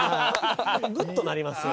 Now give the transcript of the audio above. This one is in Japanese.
グッとなりますよ。